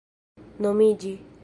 nomiĝi